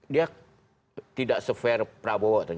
dia tidak sefer prabowo